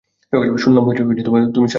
শুনলাম তুমি সাড়া ফেলে দিয়েছ।